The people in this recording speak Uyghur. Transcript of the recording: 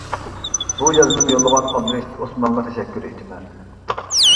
بۇ يازمىنى يوللىغان ئابدۇرېشىت ئوسمانغا تەشەككۈر ئېيتىمەن.